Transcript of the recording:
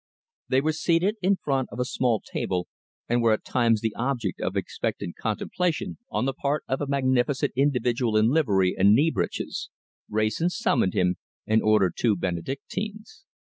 They were seated in front of a small table, and were at times the object of expectant contemplation on the part of a magnificent individual in livery and knee breeches. Wrayson summoned him and ordered two Benedictines.